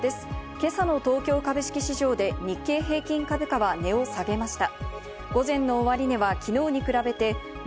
今朝の東京株式市場で日経平均株価は値を下げました。